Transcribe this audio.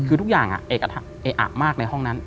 คือทุกอย่างเออะมากในห้องนั้น